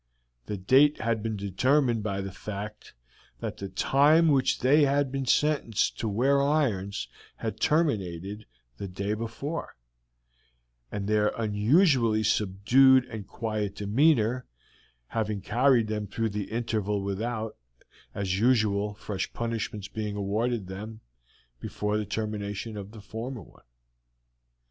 The date had been determined by the fact that the time which they had been sentenced to wear irons had terminated the day before, and their unusually subdued and quiet demeanor having carried them through the interval without, as usual, fresh punishments being awarded them before the termination of the former one.